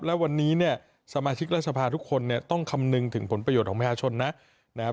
และวันนี้เนี่ยสมาชิกรัฐสภาทุกคนเนี่ยต้องคำนึงถึงผลประโยชน์ของประชาชนนะครับ